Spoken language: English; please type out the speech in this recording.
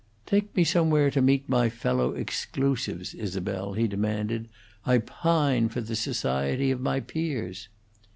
"Take me somewhere to meet my fellow exclusives, Isabel," he demanded. "I pine for the society of my peers."